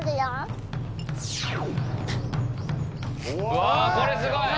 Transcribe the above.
うわこれすごい。